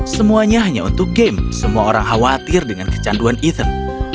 semuanya hanya untuk game semua orang khawatir dengan kecanduan even